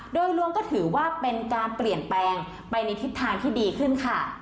โดยรวมก็ถือว่าเป็นการเปลี่ยนแปลงไปในทิศทางที่ดีขึ้นค่ะ